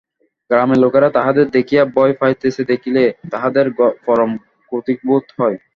গ্রামের লোকেরা তাহাদের দেখিয়া ভয় পাইতেছে দেখিলে, তাহাদের পরম কৌতুক বোধ হয়।